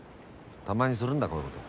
たまにするんだこういうこと。